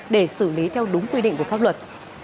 để xử lý theo đúng quy định của pháp luật